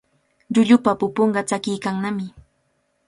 Llullupa pupunqa tsakiykannami.